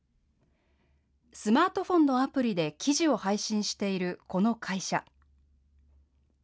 スマートフォンのアプリで記事を配信しているこの会社。